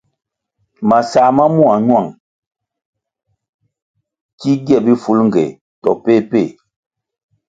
Masãh ma mua ñuáng ki gie bifulngéh to péh péh.